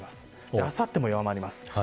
あさっても弱まります。